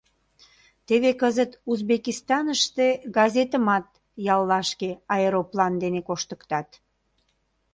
Теве кызыт Узбекистаныште газетымат яллашке аэроплан дене коштыктат.